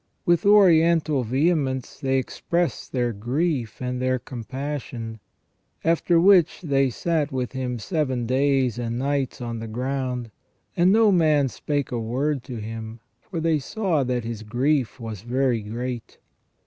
With Oriental vehemence they express their grief and their com passion. After which, " they sat with him seven days and nights on the ground. And no man spake a word to him : for they saw that his grief was very great."